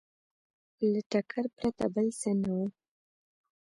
له ټکر پرته بل څه نه وو